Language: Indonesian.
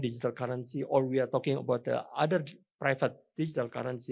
atau kita berbicara tentang keuangan digital pribadi lainnya